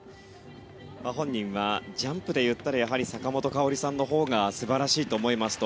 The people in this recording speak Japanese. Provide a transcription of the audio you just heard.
本人はジャンプで言ったら坂本花織さんのほうが素晴らしいと思いますと。